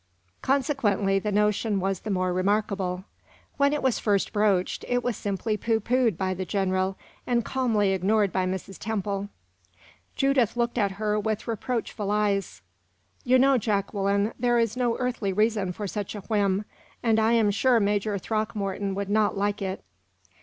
Consequently, the notion was the more remarkable. When it was first broached, it was simply pooh poohed by the general, and calmly ignored by Mrs. Temple. Judith looked at her with reproachful eyes. "You know, Jacqueline, there is no earthly reason for such a whim; and I am sure Major Throckmorton would not like it."